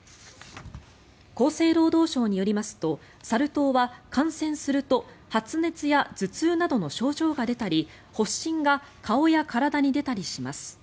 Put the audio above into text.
厚生労働省によりますとサル痘は感染すると発熱や頭痛などの症状が出たり発疹が顔や体に出たりします。